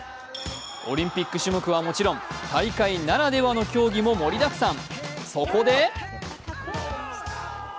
オリンピック種目はもちろん、大会ならではの競技も盛りだくさん。